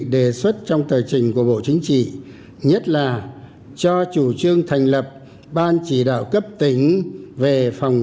đề xuất trong tờ trình của bộ chính trị nhất là cho chủ trương thành lập ban chỉ đạo cấp tỉnh về phòng